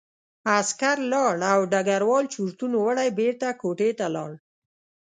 عسکر لاړ او ډګروال چورتونو وړی بېرته کوټې ته لاړ